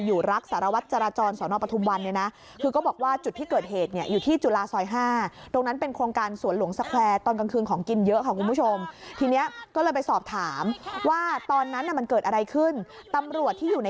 อยู่รักษณวัฏจราจรสรณปฑทมวัน